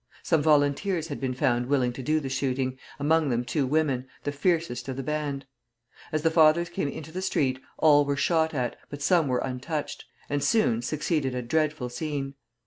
Some volunteers had been found willing to do the shooting, among them two women, the fiercest of the band. As the fathers came into the street, all were shot at, but some were untouched; and soon succeeded a dreadful scene.